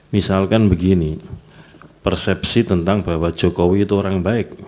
misalkan begini persepsi tentang bahwa jokowi itu orang baik